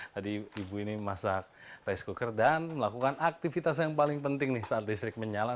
tadi ibu ini masak rice cooker dan melakukan aktivitas yang paling penting nih saat listrik menyala